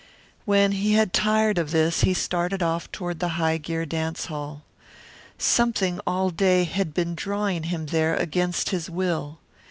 When he had tired of this he started off toward the High Gear Dance Hall. Something all day had been drawing him there against his will.